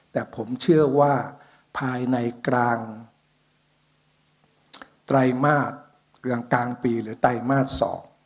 แต่ผมเชื่อว่าภายในกลางไตรมาสกลางปีหรือไตรมาส๒